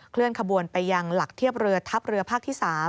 เคลื่อนขบวนไปยังหลักเทียบเรือทัพเรือภาคที่๓